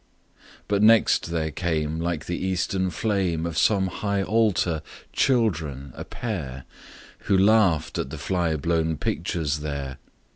But next there came Like the eastern flame Of some high altar, children—a pair— Who laughed at the fly blown pictures there.